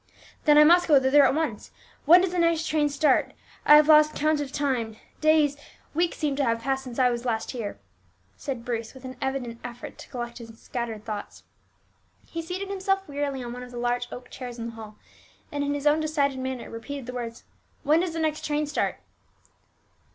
"Then I must go thither at once. When does the next train start? I have lost count of time days, weeks seem to have passed since I was last here," said Bruce, with an evident effort to collect his scattered thoughts. He seated himself wearily on one of the large oak chairs in the hall, and in his own decided manner repeated the words, "When does the next train start?"